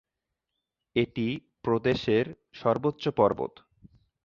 এটি প্রদেশের সর্বোচ্চ পর্বত।